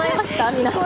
皆さん。